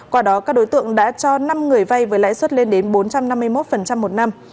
qua đó các đối tượng đã cho năm người vay với lãi suất lên đến bốn trăm năm mươi một một năm